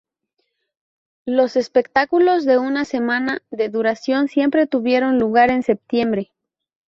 Los espectáculos de una semana de duración siempre tuvieron lugar en septiembre.